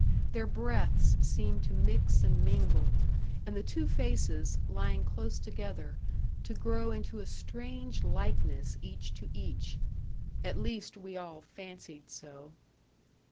Their breaths seemed to mix and mingle, and the two faces, lying close together, to grow into a strange likeness each to each. At least, we all fancied so.